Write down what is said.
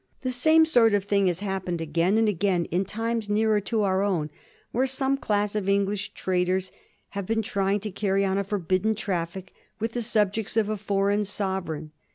The same sort of thing has happened again and again in times nearer to our own, where some class of English traders have been trying to caiTy on a forbidden traffic with the subjects of a foreign sovereign.